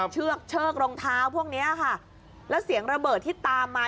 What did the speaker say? เชือกเชือกรองเท้าพวกเนี้ยค่ะแล้วเสียงระเบิดที่ตามมา